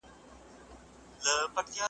دېوالونه هم غوږونه لري ,